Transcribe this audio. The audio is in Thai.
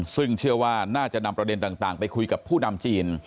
ซึ่งเชื่อว่าน่าจะนำประเด็นต่างไปคุยกับผู้นำจีน